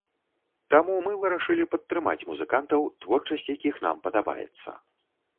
Таму мы вырашылі падтрымаць музыкантаў, творчасць якіх нам падабаецца.